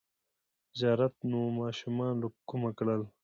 ـ زیارت نوماشومان له کومه کړل!